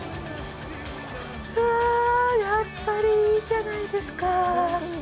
うわ、やっぱりいいじゃないですか。